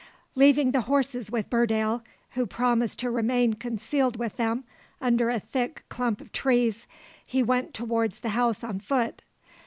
Leaving the horses with Burdale, who promised to remain concealed with them under a thick clump of trees, he went towards the house on foot.